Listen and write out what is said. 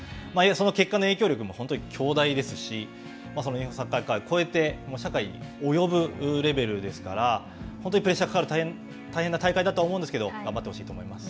その結果の影響力も、本当に強大ですし、日本のサッカー界を超えて社会に及ぶレベルですから、本当にプレッシャーがかかる大変な大会だと思うんですけれども、頑張ってほしいと思います。